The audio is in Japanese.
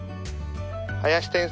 林先生